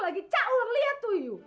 lagi cakur lihat tuh ibu